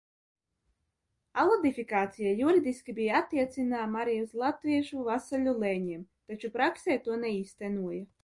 Alodifikācija juridiski bija attiecināma arī uz latviešu vasaļu lēņiem, taču praksē to neīstenoja.